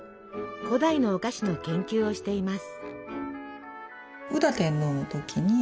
古代のお菓子の研究をしています。